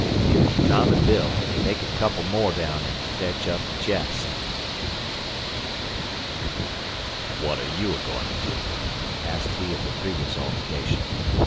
You, Tom, and Bill, take a couple more down and fetch up the chest." "Wot are you a goin' to do?" asked he of the previous altercation.